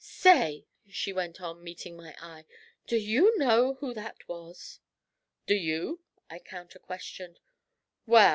'Say,' she went on, meeting my eye, 'do you know who that was?' 'Do you?' I counter questioned.